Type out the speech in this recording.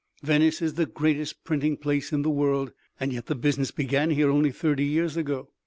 Venice is the greatest printing place in the world, and yet the business began here only thirty years ago.